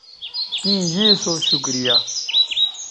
تیں یے سو شکریہ